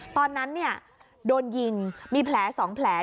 ตอนนั้นโดนยิงมีแผล๒แผล